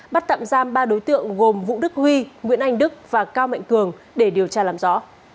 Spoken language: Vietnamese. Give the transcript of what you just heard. bắt tạm giam ba đối tượng gồm vũ đức huy nguyễn anh đức và cao mạnh cường để điều tra làm rõ